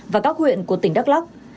và các huyện của tỉnh đắk lắc